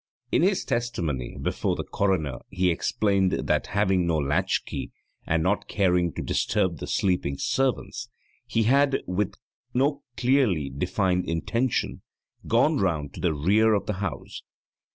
In his testimony before the coroner he explained that having no latchkey and not caring to disturb the sleeping servants, he had, with no clearly defined intention, gone round to the rear of the house.